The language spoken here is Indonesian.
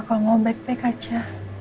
kalau mau backpack aja